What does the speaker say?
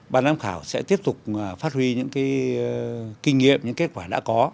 ban giám khảo sẽ tiếp tục phát huy những kinh nghiệm những kết quả đã có